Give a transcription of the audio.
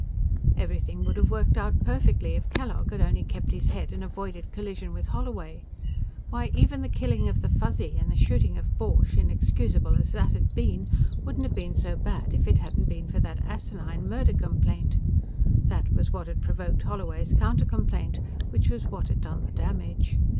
_" Everything would have worked out perfectly if Kellogg had only kept his head and avoided collision with Holloway. Why, even the killing of the Fuzzy and the shooting of Borch, inexcusable as that had been, wouldn't have been so bad if it hadn't been for that asinine murder complaint. That was what had provoked Holloway's counter complaint, which was what had done the damage.